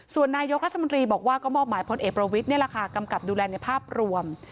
ส่วนนายกรัฐมนตรีบอกว่าก็มอบหมายพลเอกประวิทย์นี่แหละค่ะกำกับดูแลในภาพรวม